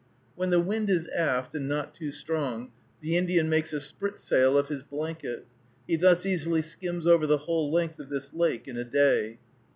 When the wind is aft, and not too strong, the Indian makes a spritsail of his blanket. He thus easily skims over the whole length of this lake in a day.